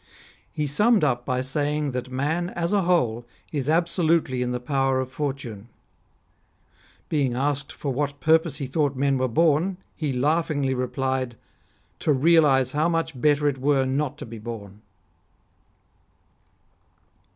He summed up by saying that man as a whole is absolutely in the power of Fortune. Being asked for what purpose he thought men were born, he laughingly replied :" To realise how much better it were not to be born."